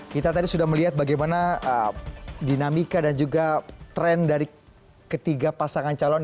kita tadi sudah melihat bagaimana dinamika dan juga tren dari ketiga pasangan calon